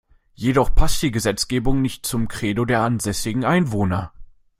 Jedoch passt die Gesetzgebung nicht zum Credo der ansässigen Einwohner.